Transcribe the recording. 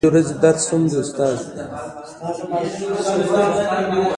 دا کیسه په نولس سوه میلادي کال کې پېښه شوې ده